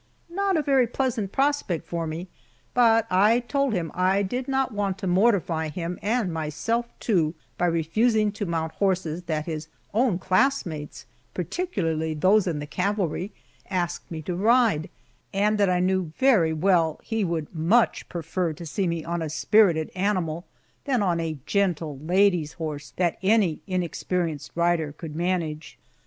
Not a very pleasant prospect for me; but I told him that I did not want to mortify him and myself, too, by refusing to mount horses that his own classmates, particularly those in the cavalry, asked me to ride, and that I knew very well he would much prefer to see me on a spirited animal than a "gentle ladies' horse" that any inexperienced rider could manage.